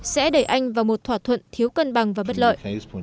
sẽ đẩy anh vào một thỏa thuận thiếu cân bằng và bất lợi